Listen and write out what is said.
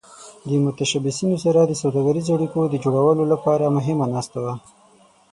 د متشبثینو سره د سوداګریزو اړیکو د جوړولو لپاره مهمه ناسته وه.